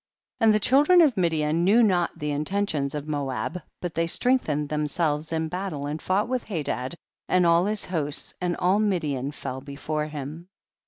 11. And the children of Midian knew not the intentions of Moab, but they strengthened themselves in bat tle and fouffht with Hadad and all 198 THE BOOK OF JASHER. his host, and all Midian fell before him.